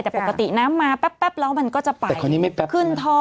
แต่ปกติน้ำมาแป๊บแล้วมันก็จะไปแป๊บขึ้นท่อ